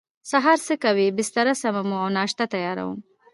سهار څه کوئ؟ بستره سموم او ناشته تیاروم